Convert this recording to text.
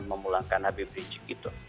memulangkan habib rijik gitu